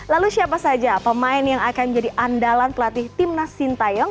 lalu siapa saja pemain yang akan menjadi andalan pelatih timnas sintayong